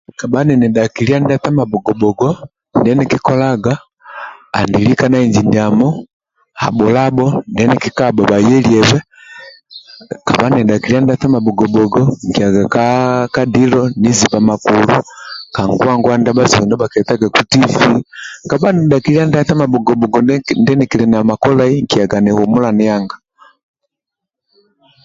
Kabha ninidhaki liya ndia tamabhugobhugo ndyeni kikolaga andi lika na ini ndiamo habhulabho ndiani kikabha bhayeliyebhe kabha ninidhaki liy ndia tamabhugomhugo nkiyaga ka dilo ka nguwa nguwa ndyabha zungu ndybha kyetagaku tv kabha ninidhaki liya ndia tama bhugobhugo ndyekiki namakolai nkiyaga ni humula niyanga